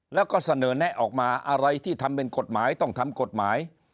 แล้วก็เสนอแนะออกมาอะไรที่ทำเป็นกฎหมายต้องทำกฎหมาย